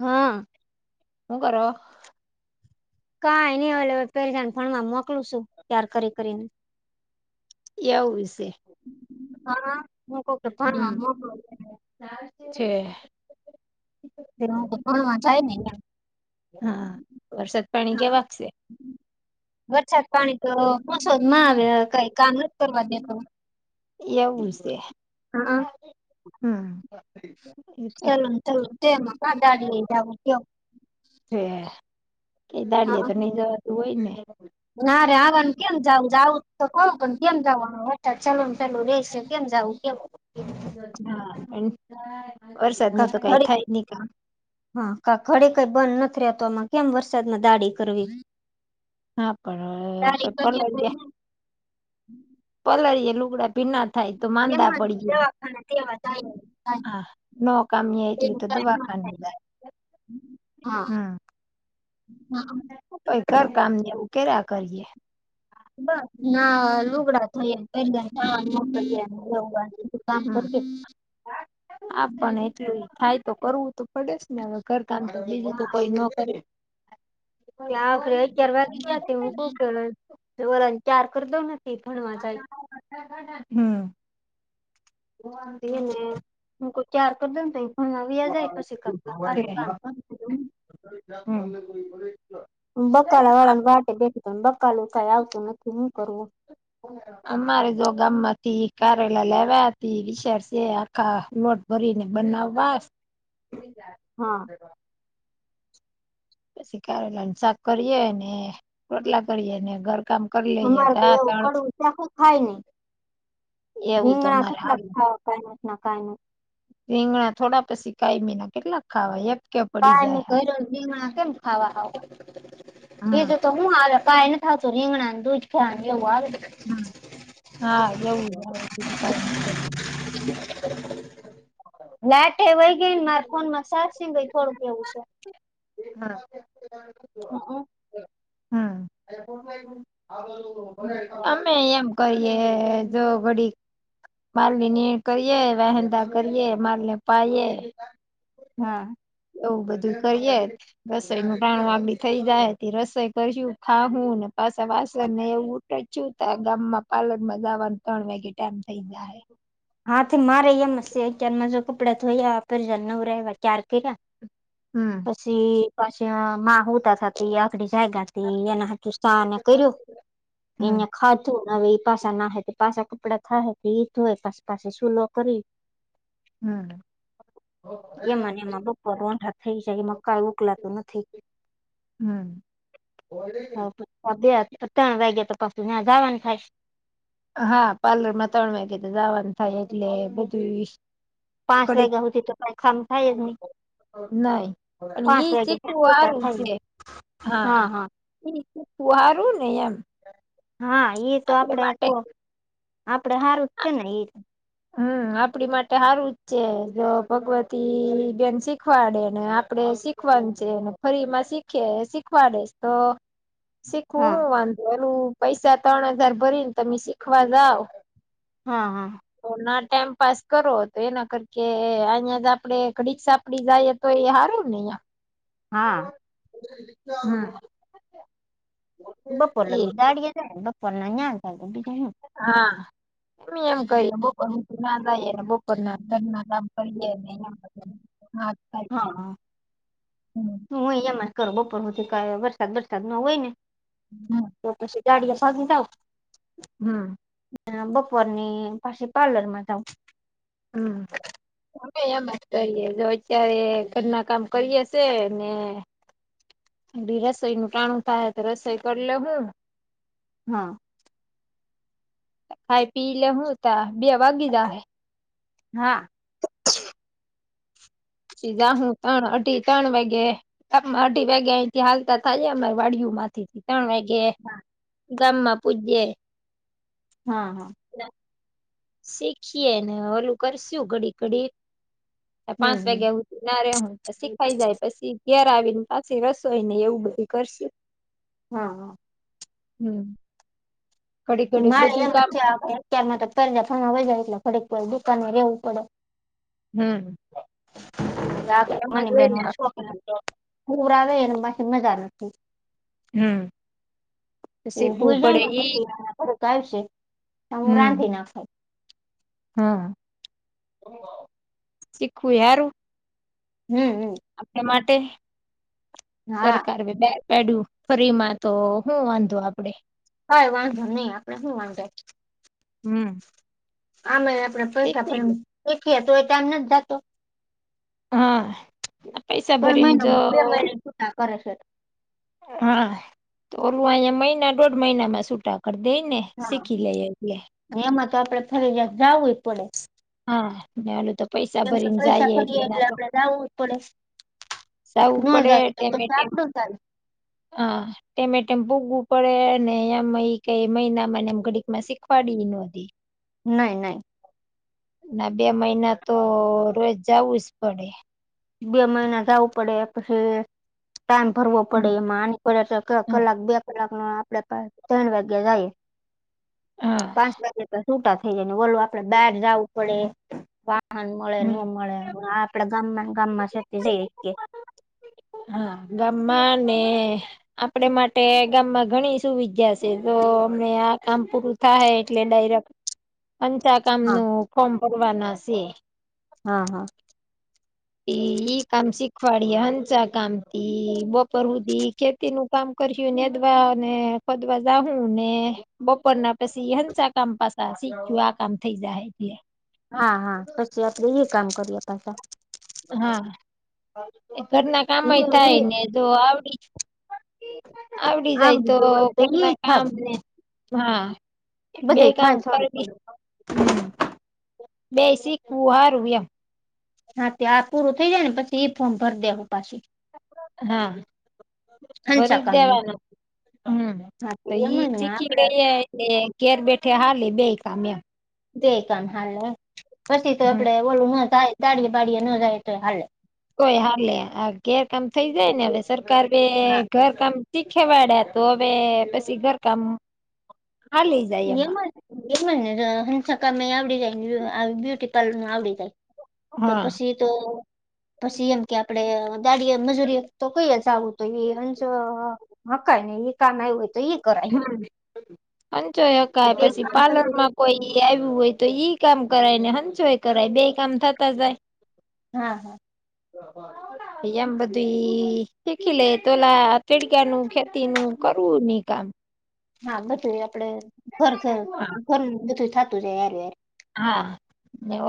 હા હું કરો હો કાઈ નહી હવે પહેરીને ફણમાં મોકલું છું ત્યાર કરી કરીને કેવું છે. હા કઉ હમ ભાણિયા ને મોકલો છે. તે ભણવા જાય છે. હા વરસાદ પાણી કે વાગશે. વરસાદ પાણી તો ઓછો માં આવે કઈ કામ કરવા દેતો એવું છે હા હમ્મ. [unintelligible] ક દાડિયા હા તો નઈ જવાતું હોય ને. ના રે આવવાને કેમ જાવું જાવું તો કવું પણ કેમ જાવું અચ્છા ચાલ ને ચાલું રેશે કેમ જવું. એવું. હા વરસાદ નુ કાક તો કઈ ઘડી થાય નહી કામ. હા ક ઘડી કે કઈ બંધ નથી રહેતો આમાં કેમ વરસાદમાં દાળી કરવી. હા પણવે દાડી કરીએ તો પલળીએ પલાળીએ લુગડા ભીના થાય તો એમ માંદા જ પડી ગયા દવાખાના તેવા થાય થાય હા નકામીએ એટલે તેનું તો કાંઈ ન દવાખાને થાય. જાય. હા. [unintelligible] તો ઘર કામ ને એવું કર્યા કરીએ. બ ના લુગડા ધોઈએ [unintelligible] [unintelligible] કામ કરીએ. આપા પણ એટલું થાય તો કરવું તો પડે ને હવે કર તો કોઈ ન કરે ત્યાં આખરે અગિયાર વાગી ગ્યાં હું વરણ ત્યાર કરતો નથી થણવા જાય. હમ્મ. ને હું કોઈ ચાર કર દેન ત્યાં હ વિ આ જાય પશી કરતા. બકાલા વાળાને [inaudible] વાટે બેઠી [inaudible] બકાલું કઈ આવતું નથી હું કરવું. [inaudible] અમારે જો ગામા તી કારેલા લેવયાતી ઇ શેર સે આખા ખોટ. ભરીને બનાવવા. હા! પછી કારેલા નુ શાક કરીયે અને રોટલા કરીયે ને. કામ કર લઈએ તા ત. કશું ખાય નહી એવું તો રીગણા અમારે કેટલા હારું ખાવ કાઇ નઇ કાય. રીંગણા થોડા પછી કાયમી ના કેટલાક ખાવા એમ. પાયની ઘીણા કેમ ખાવા હાવ. હા તો હું હ કઈ ને થતો રીંગણાને દુ જ ખ એવું આવે. હમ હા એવું આવે. કઈ નથી [inaudible] લાઠે વય ગઈ ને મારે ફોન માં સા સંગ થોડું કેવું છે. હા! હમ. હમ મને તો અમે એમ. કરીએ જો ઘડી. માલ ની નીણ કરીએ વહેંદા કરીએ માલ ને પાયએે. હા એવું બધું કરીયે. રસોઈ નું ટાણું વાળી થઈ જાય હતી રસોઈ કરશું ખાું ને પાછા વાસણ ને એવું. ચુ થ ગામમાં પાલૅર મા જવાનું ત્રણ વાગે ટાઈમ થઇ જાય. હાથ મારે હેમ સે કે એમને કપડા ધોયાે આપે જે નવરે રહે ચાર કર્યા. હમ! પછી પછી મા ઉતા થતી આઘડી જાયગા એના હુ શાને કર્યું. હમ અને ખાધું હવે એ પાછા નાહે પાછા કપડા થાય ઇ ધોવા પાછા. પાસે સુુનો કરી. હમ! એમાં ને એમાં બપોર રઢા થઈ જાય એમાં કાય ઉકલાતું નથી. [inaudible] હ બે ત્રણ વાગ્યા તો પાછું નયા જવાનું થાય. હા પાર્લર માં ત્રણ વાગે તો જવાનું થાય એટલે બધું. પાંચ કડીક વાગ્યા હોતી તો કઈ ખામ થાય જ નહી. નાહી પણ પાંચ ઈ વાગે ચીખું પોતા વારું થાય છે. હા હા. ઈ ચીખુ વારુ ને એમ. હા ઈ તો આપડી આપડે માટે આપડે હારું જ છે ને ઈ. હમ આપડી માટે હારું જ છે જો ભગવતી બેન શીખવાડે ને આપડે શીખ શીખવાનું છે એને ફરી માં શીખે શીખવાડે. તો શીખુ હા હું વાંધો એલું. પૈસા ત્રણ હજાર ભરી ને તમે શીખવા જાવ. હા હા. તો ના ટાઈમ પાસ કરો તે એના કરકે અહિયાં જ આપડે ઘડી સા. આપડી જાય તો એ હારુ નેં હિયા. હા. હમ. બપોર એ લગી દાડીયે જાય બપોર ના હે બીજ શું. હા એમ કએ બપોર ના જઈએ ને બપોર ના ઘર ના કામ કરીએ ને. હા. કરીએ હા હા હમ હું અહિયા ગરબો કરુ છુ કયા વરસાદ વરસાદ ન હોય ને હમ. તો પછી ગાડીયા ભાગી જાવ હા. બપોવાર ની પાસી પાર્લરમાં જાવ હમ. અમે એમ જ કરીએ જો અત્યારે ઘરના કામ કરીએ શે ને [unintelligible] રસોઈનું ટાણું થાય તો રસોઈ કરી લે હું હા. ખાઈ પી લેહું ત બે વાગી જાહે હા. છી જાહું ત્રણ અઢી ત્રણ વાગે માં અઢી વાગ્યા અયથી હાલતા થાય જાય અ વાડીયું માંથી ત્રણ વાય ગે દામમાં પૂજયે હા હા. શીખીએ ને ઓલું કરશું ઘડી ઘડી હમ પાંચ હમ વાગ્યા ના રે હું શીખાઈ જાય પછી ઘેર આવીને પાછી રસોય ને એવું બધું કરશું [inaudible] હા. હમ. ઘડી ઘડી માળે બધું એમાં કામ છે, અત્યમાં તો ફરજા ફરવાાય એટલે ફરીકવાર દુકાન રેવું પડે હમ. એમ જ મને હોય બેન ને શોખ પૂર આવે એને બાકી મજા નથી હમ તો એ શીખવું હુય જાય પડે ને ઈ પછી [unintelligible] હું હમ રાંધી નાખુ હા શીખું યારું હમ હમ. આપને માટે હા સરકાર [unintelligible] પેડું ફરી માં તો હુ વાંધો આપડે હા વાંધો નહી આપડે હુ વાંધો હમ. આમે આપડે પૈતા ફેમ દેખીયે તો ડાઈમ નથ જાતો હા. પૈસા પણ ભરીને મહિન જો બે મહિના છૂટા કરે છે. હા તો ઓલું અહીંયા મહિના દોઢ મહિનામાં સુટા કરી દેય ને હા શીખી લે એટલે એમાં તો આપડે ફરજયાત જાવુંય પડે હા ને ઓલું તો પૈસા જેમ કે ભરીને પૈસા જઈએ ફરીએ ના એટલે તો આપડે જાવુ જ પડે જાવું ન પડે જાય તો ટેમે ટેમ [unintelligible] હા. એમે ડેમ ભોગવું પડે ને એમ અહીં કઈ મહિનામાંને એમ ઘડીક માં શીખવાડી નોતી નહી નહી ના બે મહિના તો રોજ જવું જ પડે બે મહિના જાવું પડે પછી ટામ ભરવો પડે એમાં આની [unintelligible] તો કલાક બે કલાક ન આપડે પા ત્રણ વાગ્યા જઈએ હા પાંચ વાગે તો છૂટા થઇ જાય ને ઓલો આપડે [unintelligible] ના મળે ન હમ મળે આપડે ગામમાં [unintelligible] હા ગામમા ને આપડે માટે ગામમાં ઘણી સુવિધા છે, તો અમે આ કામ પૂરું થાય એટલે ડાયરા પંચા કામ હા નું ફોર્મ ભરવાના છે. હા હા ઈ કામ શીખવાડીયે હંચ કામથી બપર હદી ખેતી તેનું કામ કરશ નેદવા ને ખોદવા જાહુ ને બપોર ના પછી હંસા કામ પાછા શીખું આ કામ થઈ જાય. હા હા પછી આપણે એ કામ કરીએ પાછા હા એ ઘરના કામય થાય ને તો આવડી આવડી જાય તો આવડતું હોય એ ઘરના થાય કામને હા બે બધું કામ થાય થોડું કરવીશ થોડું હમ બેય શીખવું હારુ એમ હા ત આ પૂરું થઈ જાય ને પછી, ઈ ફોર્મ ભર દેવું પાછી હા હંસા ફરી કામનું દેવાના હમ હા એમ તો ઈ જ ને ચીખી આપડે ગઈ. એ ઘર બેઠે હાાલ એ બે કામ્યા ગઈ કામ હાલે પછી તો હમ આપડે ઓલું ન થાય દાડીયે બળિયા ન જાય, તો હાલે કોઈ હાલેે આ ગેરકામ થઈ જાય, ને હવે સરકાર હા ઘર કામ શીખેવાડ્યા તો હવે પછી ઘરકામ ખાલી એમાં એમાં જ ને હંસાકામે આવડી જાય, બ્યુટી પાર્લર ન આવડી જાય. તો હા પછી તો પછી એમ કે આપડે દાડીયે મજૂરીએ તો કઈએ, જ આવું તો એ અં મકાય ને એ ક ના હોય તો એ કરાય અંચોકાય બે પછી કામ ચાલુ પાર્લર રહે માં કોઈ આવ્યું હોય તો ઈ કામ કરાય ને હંસય કરાય બે કામ થતા જાય. હા હા હ હ એમ બધું શીખી લે તોલા તીડકા નું ખેતી નું કરવું નઈ કામ હા બધું આપડે ઘર ઘર ઘર બધું થતું જાય યારાર હા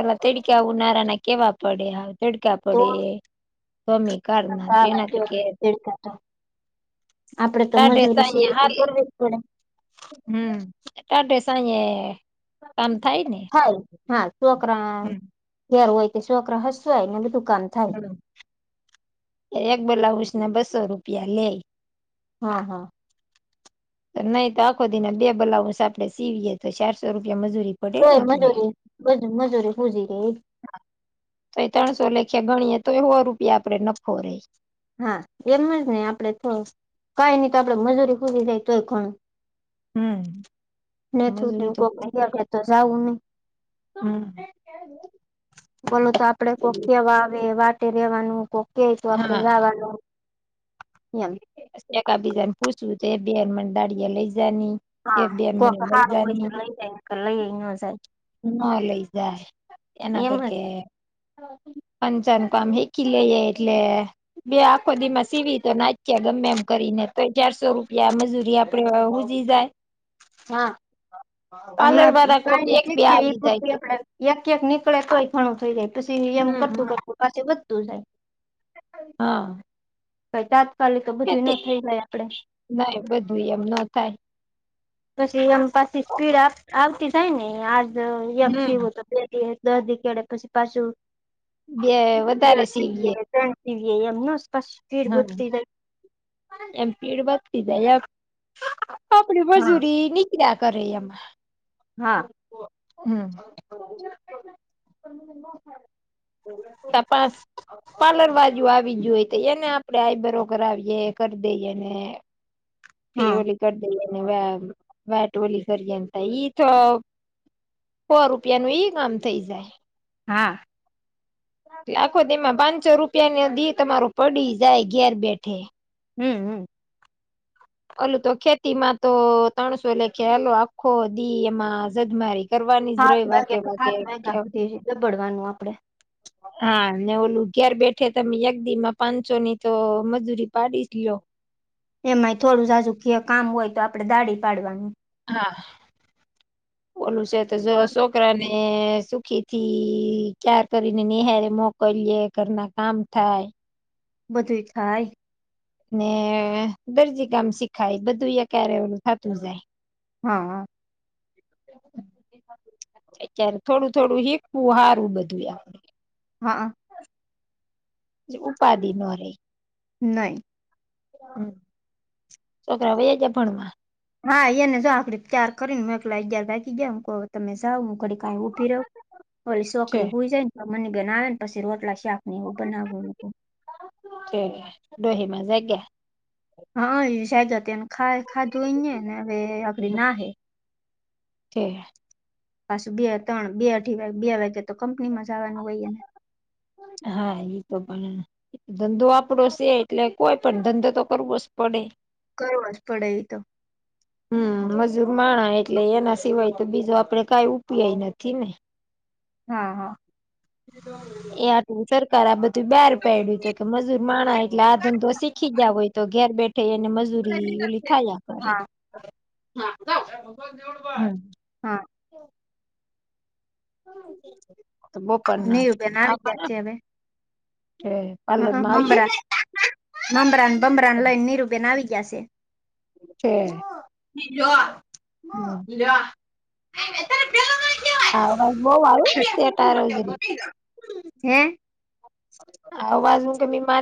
ઓલા તડ કે ઉનાળાના કેવા પડે હ ટકા તો પડે સ્વામી કાર ના તેનાથી કે સાડે તાઈયા હલે બડ હમટાઢે સાયે કામ થાય ને થાય હા છોકરા હમ ઘેર હોય, તે છોકરા હસવાય ને બધુ કામ થાય. એક બ્લાઉઝ ના બસો રૂપિયા લે હા તો નહીં તો આખો દી ના બે બ્લાઉઝ આપડે સીવીએ તો ચારસો રૂપિયા મજૂરી પડે તો ને ઈ આપડે મજૂરીજ મજૂરી ખુઝી ગઈ. તો ય ત્રણસો લેખે ગણીએે તો એ હો રૂપિયા આપડે નફો રેય. હા એમ જ ને આપડે તો કઈ ની તો આપડે મજૂરી પૂરી થાય તોય ઘણુ ને થું મજૂરી તો કોક તો જવું નહી. હા બોલુ તો આપડે કોક આવે વાટે રેવાનું કોક તો આપડે હા એમ. એક બીજાને પુસું એ બેન મને દાડીયા લઈ જની? હા કોક હારું હોય તો લઈ જાય ને કર લઈ ન જાય. ન લઈ જાય એના એમ જ કરકે ને. પંચન કામ હિખી લ ઈએ એટલે બે આખો દીમાં સીવી તો નાખયા ગમે એમ કરીને તો ચારસો રૂપિયા મજૂરી ના આપ તો ય હુજી જાય. હા પાર્લર હમણાં વાળા કોક કાઈ નઈ ઠીક એ બે આવી જાય પૂરતું તો આપડે એક એક નીકળે તોય ઘણું થઈ જાય પછી એમ હમ કરતું કરતું પાસે બધુજ હા કઈ તાત્કાલિક બધું ન થઈ જાય આપડે નાહી બધું એમ ન થાય. પછી એમ પાછી સ્પીડ આવતી જાય ને આજ એક હમ સીવું તો દદી કેડે પછી પાછુ. બે વધારે સીવીએ એમ ન સ્પ હા એમ સ્પીડ વધતી જાય અએમ આપડી હા મજૂરી નીકળ્યા કરે એમા હા હમ્મ તપાસ પાર્લર બાજુ આવી જોઈ તો એને આપડે આઈ બ્ર આવીએ કરી દઈએને. ફ હા ઓલી કરી દેને વાટ ઓલી કરીએે એઈ તો સો રૂપિયા નુ ઈ કામ થઈ જાય. હા આખો દી મા પાંચસો રૂપિયા ન દી તમારો પડી જાય ઘેર બેઠે હમ્મ હમ્મ ઓલુ તો ખેતીમાં તો ત્રણસો લેખે હાલો આખો દી એમાં જદમારી કરવાની જ સાત રહી વાકે વાગ્યા થી વાકે સાત કે વાગ્યા સુધી દબડવાનું આપડે હા ને ઓલું ઘેર બેઠે તમે અ એકદી માં પાંચસો ની તો મજૂરી પાડી જ લો એમાંય થોડું જાજુ કયો કામ હોય તો આપડે દાળી પાડવા હા ઓલું છે તો જો છોકરાને. ને સુખી થી ચા કરીને નિહાળે મોકલીએ ઘરના કામ થાય. બધું થાય. ને દરજી કામ શીખાય બધું એક હાયરે ઓલુ થાતું જાય. હા હા અત્યારે થોડું થોડું હીકુંવુ સારું બધું એમ હ ઉપાધિ નો રે નહી. છોકરા વયા જાય પણ હા અહીંયા ને આપડી ચાર કરીને એકલા અગિયાર વાગી રહ્યાં ગયા તમે સ છે હોય જાય. મની બેન આવે ને પછી રોટલા શાક ને એવું બનાવુ ઠીક દોહી માં જાગ્યા હા સાગ એને ખાધું એ ને હવે [unintelligible] ના હે તે પાસ બે ત્રણ બે અઢી વા બે વાગે તો કંપનીમાં જા વાનું હોય. હા ઈ તો ભલે ધંધો આપડો સે એટલે કોઈ પણ ધંધો તો કરવો સ જ પડે કરવો જ પડે ઈ તો [inaudible] હમ મજૂર માણા એટલે એના સિવાય તો બીજો આપડે કઈ ઉપિયાય નથી ને હા હા [inaudible] એ આટલું સરકાર આ બધું બહાર પડ્યું તો કે મજૂર માણા એટલે આ ધંધો શીખી ગયા હોય તો ઘેર બેઠા થઈ અને મજૂરી ઓલી થાયા કરે હા હમ હા તો બપોરના નીવ બેન આવી ગયા આવવાના છે હવે છે હ પાર્લર માં આવશે હમના મમમરાન બમરાન લઈ ન નીરુ બેન ના આવી ગયા સે જો આ લો આ અવાજ [unintelligible] બઉ આવે તે તારો જ [inaudible] આવાનું. [inaudible]